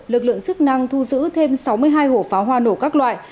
lực lượng chức năng thu giữ thêm sáu mươi hai hộp pháo hoa nổ các loại